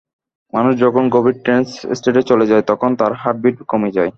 মানুষ যখন গভীর ট্রেন্স স্টেটে চলে যায় তখন তার হার্টবিট কমে যায়।